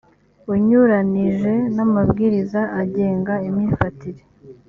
unyuranije n’amabwiriza agenga imyifatire.